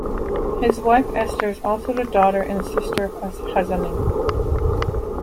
His wife, Esther, is also the daughter and sister of hazzanim.